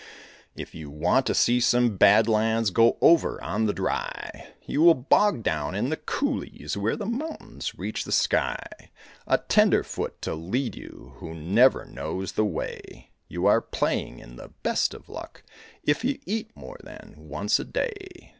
If you want to see some bad lands, Go over on the Dry; You will bog down in the coulees Where the mountains reach the sky. A tenderfoot to lead you Who never knows the way, You are playing in the best of luck If you eat more than once a day.